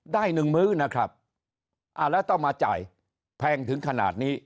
หนึ่งมื้อนะครับอ่าแล้วต้องมาจ่ายแพงถึงขนาดนี้